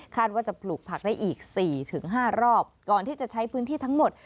ว่าจะปลูกผักได้อีก๔๕รอบก่อนที่จะใช้พื้นที่ทั้งหมด